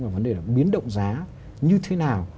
và vấn đề là biến động giá như thế nào